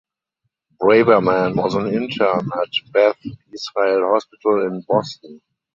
Braverman was an intern at Beth Israel Hospital in Boston.